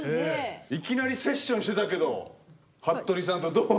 いきなりセッションしてたけどはっとりさんとどう？